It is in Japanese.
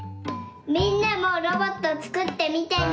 みんなもロボットつくってみてね。